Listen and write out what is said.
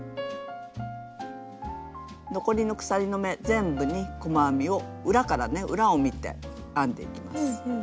全部に細編みを裏からね裏を見て編んでいきます。